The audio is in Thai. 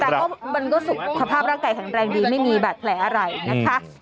แต่ก็มันก็สุขภาพร่างกายแข็งแรงดีไม่มีบาดแผลอะไรนะคะ